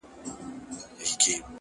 د عمل دوام د استعداد نه مهم دی.!